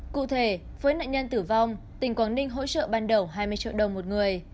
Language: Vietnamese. cụ thể với nạn nhân tử vong tỉnh quảng ninh hỗ trợ ban đầu hai mươi triệu đồng một người